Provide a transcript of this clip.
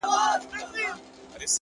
مثبت چلند سخت حالات نرموي.